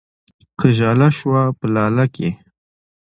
که ژاله شوه په لاله کې